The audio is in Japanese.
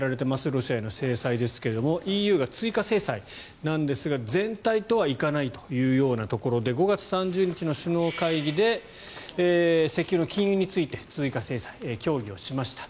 ロシアの制裁ですがＥＵが追加制裁なんですが全体とはいかないというようなところで５月３０日の首脳会談で石油の禁輸について追加制裁、協議しました。